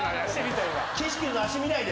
岸君の足見ないで。